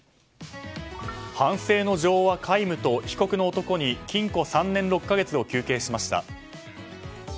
反省の情は皆無と被告の男に禁錮３年６か月を求刑しました。